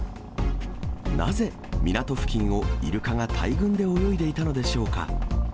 なぜ港付近をイルカが大群で泳いでいたのでしょうか。